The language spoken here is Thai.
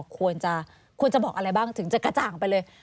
ควรจะควรจะบอกอะไรบ้างถึงจะกระจ่างไปเลย